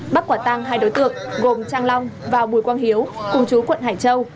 bắt quả tăng hai đối tượng gồm trang long và bùi quang hiếu cùng chú quận hải châu